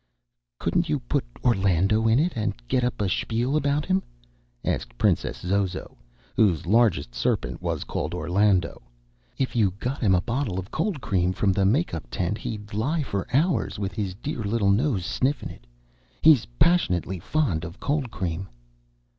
"Couldn't you put Orlando in it, and get up a spiel about him?" asked Princess Zozo, whose largest serpent was called Orlando. "If you got him a bottle of cold cream from the make up tent he'd lie for hours with his dear little nose sniffin' it. He's pashnutly fond of cold cream."